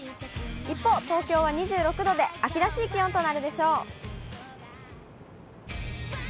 一方、東京は２６度で秋らしい気温となるでしょう。